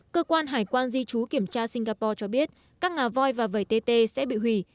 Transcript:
cơ quan hải quan di chú kiểm tra singapore cho biết các ngả vòi và vẩy tê tê sẽ bị hủy